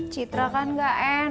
citra kan enggak enak mas pur